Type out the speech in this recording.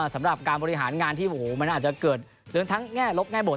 สำหรับการบริหารงานที่มันอาจจะเกิดเรื่องทั้งแง่ลบแง่บท